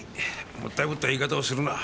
もったいぶった言い方をするな。